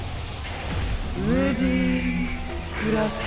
ウェディングクラスケ。